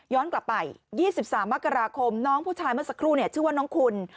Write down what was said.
กลับไป๒๓มกราคมน้องผู้ชายเมื่อสักครู่ชื่อว่าน้องคุณ